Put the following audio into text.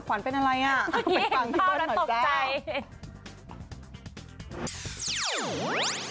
ขวัญเป็นอะไรอ่ะไปฟังพี่เบิ้ลหน่อยใจ